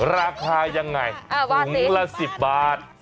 ราคายังไงถุงละ๑๐บาท